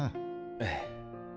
ええ。